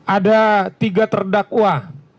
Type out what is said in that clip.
ada tiga terdakwah